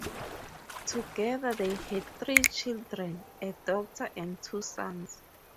Together they had three children: a daughter and two sons.